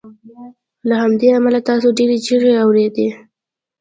له همدې امله تاسو ډیرې چیغې اوریدې